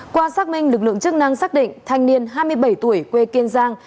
qua xác minh lực lượng chức năng xác định thanh niên hai mươi bảy tuổi quê kiên giang